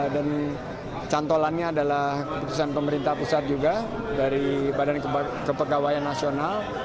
dan cantolannya adalah keputusan pemerintah pusat juga dari badan kepegawaian nasional